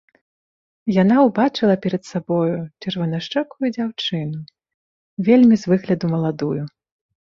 Яна ўбачыла перад сабою чырванашчокую дзяўчыну, вельмі з выгляду маладую.